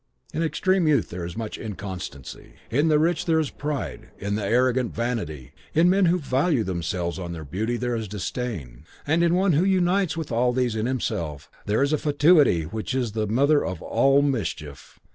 In extreme youth there is much inconstancy; in the rich there is pride; in the arrogant, vanity; in men who value themselves on their beauty, there is disdain; and in one who unites all these in himself, there is a fatuity which is the mother of all mischief.